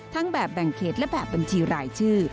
แบบแบ่งเขตและแบบบัญชีรายชื่อ